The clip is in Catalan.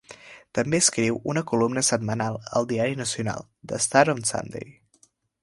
També escriu una columna setmanal al diari nacional, "The Star on Sunday".